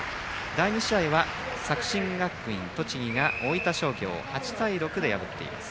第２試合は作新学院、栃木が大分商業を８対６で破っています。